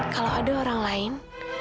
kalau ada orang lain